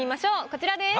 こちらです。